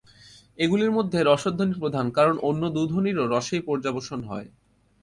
এগুলির মধ্যে রসধ্বনি প্রধান, কারণ অন্য দু ধ্বনিরও রসেই পর্যবসান হয়।